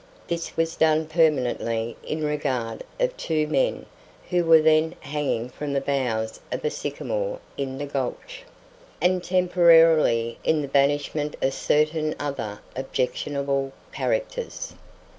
This was done permanently in regard of two men who were then hanging from the boughs of a sycamore in the gulch, and temporarily in the banishment of certain other objectionable characters.